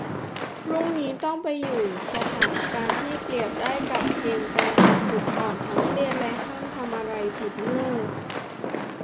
พรุ่งนี้ต้องไปอยู่สถานการณ์ที่เปรียบได้กับเกมกำจัดจุดอ่อน ทั้งเครียดและห้ามทำอะไรผิด เง้อ